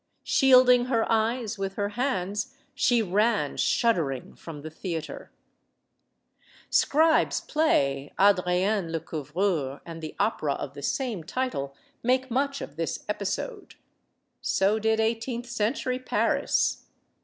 Shielding her eyes with her hands, she ran, shuddering, from the theater. Scribe's play, "Adrienne Lecouvreur," and the opera of the same title, make much of this episode. So did eighteenth century Paris.